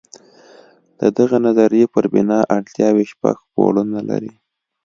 د دغې نظریې پر بنا اړتیاوې شپږ پوړونه لري.